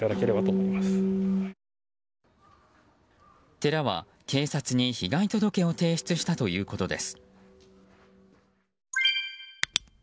寺は警察に被害届を提出したということです。